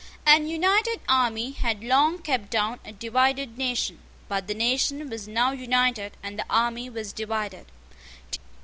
An united army had long kept down a divided nation; but the nation was now united, and the army was divided.